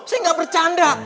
saya gak bercanda